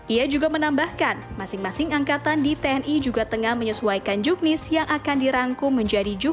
ia juga menambahkan masing masing angkatan di tni juga tengah menyesuaikan juknis yang akan dirangkum menjadi jukni